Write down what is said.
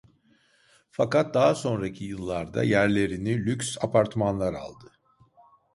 Fakat daha sonraki yıllarda yerlerini lüks apartmanlar aldı.